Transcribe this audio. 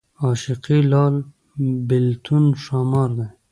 عاشقي لال بېلتون ښامار دی